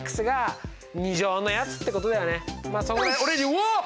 うわっ！